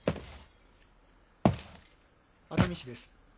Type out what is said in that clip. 熱海市です。